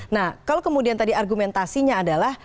nah kalau kemudian tadi argumentasinya adalah